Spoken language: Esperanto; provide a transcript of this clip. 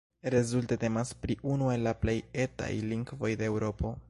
Rezulte temas pri unu el la plej "etaj" lingvoj de Eŭropo.